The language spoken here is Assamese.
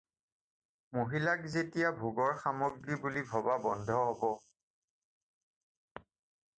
মহিলাক যেতিয়া ভোগৰ সামগ্ৰী বুলি ভবা বন্ধ হ'ব।